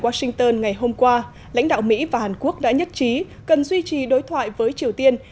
washington ngày hôm qua lãnh đạo mỹ và hàn quốc đã nhất trí cần duy trì đối thoại với triều tiên